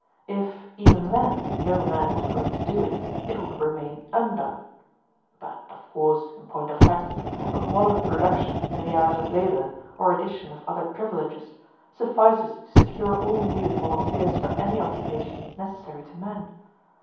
If, even then, no man was willing to do it, it would remain undone. But of course, in point of fact, a moderate reduction in the hours of labor, or addition of other privileges, suffices to secure all needed volunteers for any occupation necessary to men.